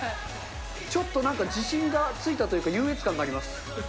ちょっとなんか、自信がついたというか、優越感があります。